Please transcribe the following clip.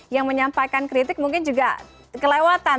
yang menyampaikan kritik mungkin juga kelewatan